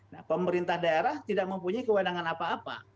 nah pemerintah daerah tidak mempunyai kewenangan apa apa